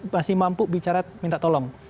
masih mampu bicara minta tolong